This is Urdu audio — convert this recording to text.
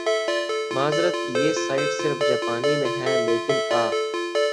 معذرت کہ یہ سائیٹ صرف جاپانی میں ھے لیکن آ